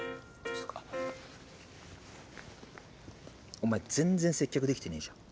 お前全然接客できてねえじゃん。